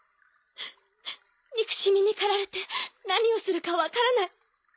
憎しみに駆られて何をするか分からない。